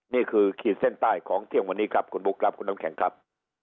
ขีดเส้นใต้ของเที่ยงวันนี้ครับคุณบุ๊คครับคุณน้ำแข็งครับ